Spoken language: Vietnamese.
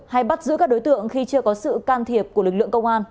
hay bắt giữ các đối tượng khi chưa có sự can thiệp của lực lượng công an